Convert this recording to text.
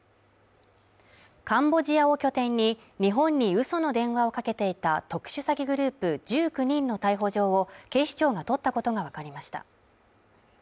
カンボジアを拠点に日本に嘘の電話をかけていた特殊詐欺グループ１９人の逮捕状を警視庁が取ったことがわかりました。